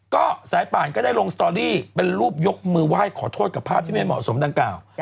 ก็สายป่านก็ได้ลงสตอรี่เป็นรูปยกมือไหว้ขอโทษกับภาพที่ไม่เหมาะสมดังกล่าว